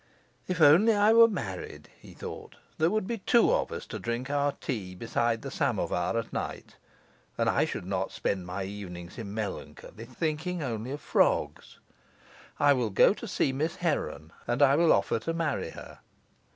If only I were married, he thought, there would be two of us to drink our tea beside the samovar at night, and I should not spend my evenings in melancholy, thinking only of frogs. I will go to see Miss Heron, and I will offer to marry her.